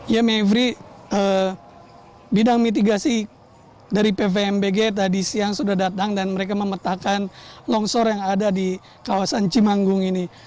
ya mevri bidang mitigasi dari pvmbg tadi siang sudah datang dan mereka memetakan longsor yang ada di kawasan cimanggung ini